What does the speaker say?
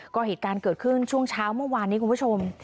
ก็เหตุการณ์เกิดขึ้นช่วงเช้าเมื่อวานนี้คุณผู้ชม